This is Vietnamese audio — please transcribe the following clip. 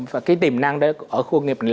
và cái tiềm năng ở khu công nghiệp này